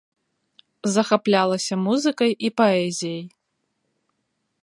Захаплялася музыкай і паэзіяй.